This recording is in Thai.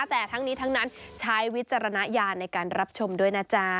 แต่ทั้งนี้ทั้งนั้นใช้วิจารณญาณในการรับชมด้วยนะจ๊ะ